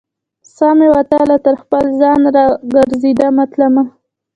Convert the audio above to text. سا مې وتله تر خپل ځان، را ګرزیدمه تلمه